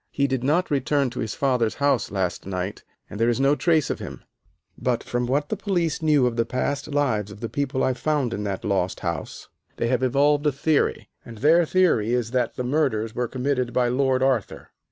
He did not return to his father's house last night, and there is no trace of him; but from what the police knew of the past lives of the people I found in that lost house, they have evolved a theory, and their theory is that the murders were committed by Lord Arthur.